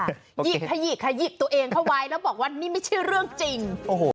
หยีบค่ะหยีบค่ะหยีบตัวเองค่ะไว้แล้วบอกว่านี่ไม่ใช่เรื่องจริง